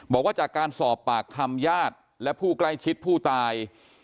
บอกว่าจากการสอบปากคำญาติและผู้ใกล้ชิดผู้ตาย